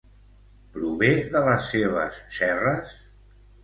Prové de les seves serres?